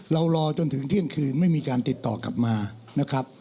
รอจนถึงเที่ยงคืนไม่มีการติดต่อกลับมานะครับ